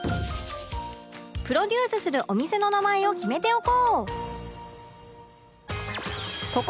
プロデュースするお店の名前を決めておこう！